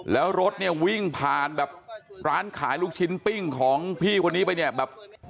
แล้วรถเนี่ยวิ่งผ่านแบบร้านขายลูกชิ้นปิ้งของพี่คนนี้ไปเนี่ยแบบ